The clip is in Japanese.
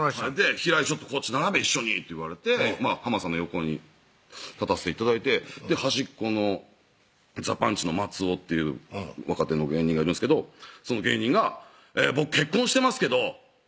「平井ちょっとこっち並べ一緒に」って言われて浜田さんの横に立たせて頂いて端っこのザ・パンチの松尾っていう若手の芸人がいるんですけどその芸人が「僕結婚してますけど僕と結婚してください！」